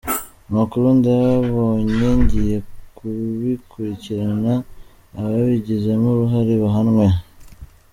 Amakuru ndayabonye ngiye kubikurikirana ababigizemo uruhare bahanwe.